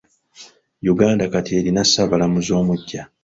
Uganda kati erina ssaabalamuzi omuggya.